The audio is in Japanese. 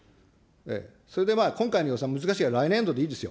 それでまあ、今回の予算で難しいから来年度でいいですよ。